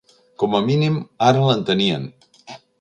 Com a mínim ara l'entenien.